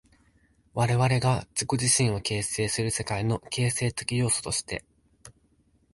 我々が自己自身を形成する世界の形成的要素として、